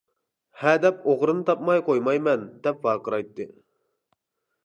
ھە دەپ ئوغرىنى تاپماي قويمايمەن دەپ ۋارقىرايتتى.